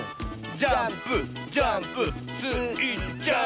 ジャンプジャンプスイちゃん！